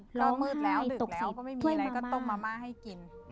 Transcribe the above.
ก็มืดแล้วดึกแล้วก็ไม่มีอะไรก็ต้มมะม่าให้กิน